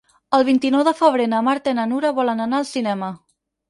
El vint-i-nou de febrer na Marta i na Nura volen anar al cinema.